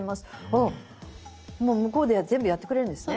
ああもう向こうで全部やってくれるんですね。